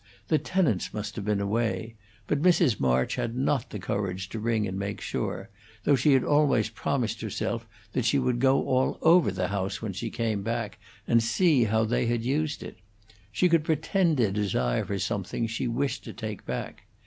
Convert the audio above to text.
The tenants must have been away, but Mrs. March had not the courage to ring and make sure, though she had always promised herself that she would go all over the house when she came back, and see how they had used it; she could pretend a desire for something she wished to take away.